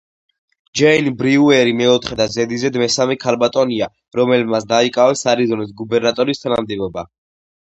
ჯეინ ბრიუერი მეოთხე და ზედიზედ მესამე ქალბატონია, რომლებმაც დაიკავეს არიზონის გუბერნატორის თანამდებობა.